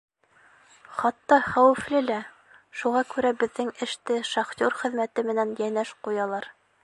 Хатта хәүефле лә, шуға күрә беҙҙең эште шахтер хеҙмәте менән йәнәш ҡуялар.